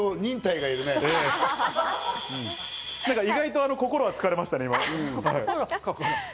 意外と心は疲れましたね。